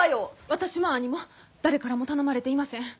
私も兄も誰からも頼まれていません。